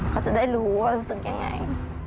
เขาจะได้รู้ว่ารู้สึกยังไง